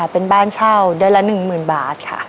เป็นบ้านเช่าเดือนละ๑๐๐๐บาทค่ะ